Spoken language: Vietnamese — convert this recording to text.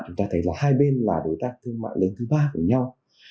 chúng ta thấy là hai bên là đối tác thương mại lớn thứ ba của nhau